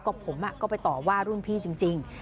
ก็ผมก็ไปต่อว่ารุ่นพี่จริง